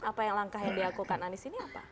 apa yang langkah yang dilakukan anies ini apa